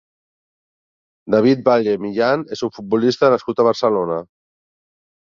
David Valle Millán és un futbolista nascut a Barcelona.